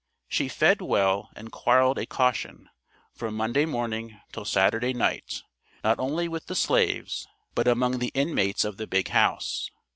She fed well, and quarrelled a caution, from Monday morning till Saturday night, not only with the slaves, but among the inmates of the big house.